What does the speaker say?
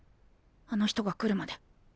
あの人が来るまで絶対に。